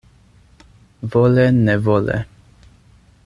Vole-nevole.